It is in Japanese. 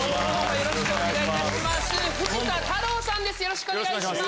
よろしくお願いします。